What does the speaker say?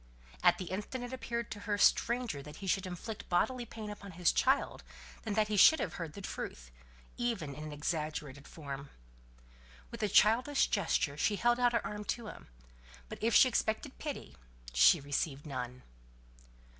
At the instant it appeared to her stranger that he should inflict bodily pain upon his child, than that he should have heard the truth even in an exaggerated form. With a childish gesture she held out her arm to him; but if she expected pity, she received none.